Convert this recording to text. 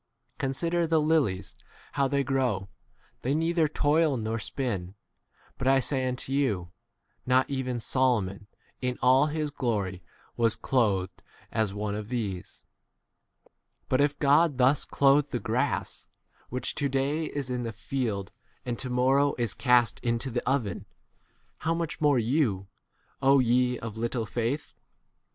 Consider the lilies how they grow ; they neither toil nor spin ; but I say unto you, Not even Solomon in all his glory 2S was clothed as one of these. But if God thus clothe the grass, which to day is in the field and to mor row is cast into [the] oven, how much more you, ye of little 29 faith ?